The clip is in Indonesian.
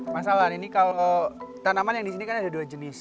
mas alan ini kalau tanaman yang di sini kan ada dua jenis